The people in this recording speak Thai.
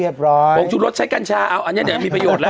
ผงชูรสใช้กัญชาเอาอันนี้เดี๋ยวมีประโยชน์แล้ว